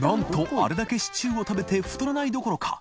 あれだけシチューを食べて太らないどころか．